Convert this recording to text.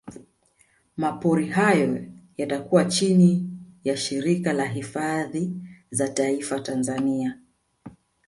Mapori hayo yatakuwa chini ya Shirika la Hifadhi za Taifa Tanzania